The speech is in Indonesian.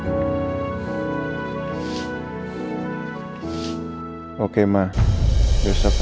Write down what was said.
mur educational juga sama